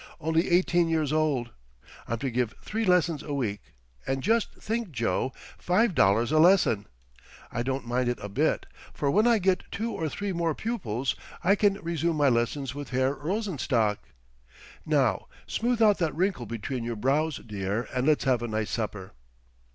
Only eighteen years old. I'm to give three lessons a week; and, just think, Joe! $5 a lesson. I don't mind it a bit; for when I get two or three more pupils I can resume my lessons with Herr Rosenstock. Now, smooth out that wrinkle between your brows, dear, and let's have a nice supper."